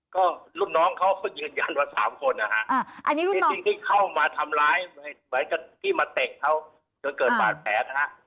ก็รุ่นน้องเขายืนยันว่าสามคนอ่ะค่ะที่เข้ามาทำร้ายหมายถึงที่มาเต็กเขาจนเกิดปากแผดค่ะ